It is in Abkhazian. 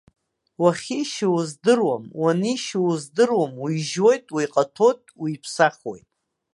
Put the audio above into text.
Уахьишьуа уздыруам, уанишьуа уздыруам, уижьоит, уиҟаҭәоит, уиԥсахуеит.